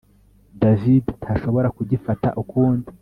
David ntashobora kugifata ukundi